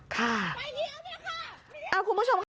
คุณผู้ชมค่ะ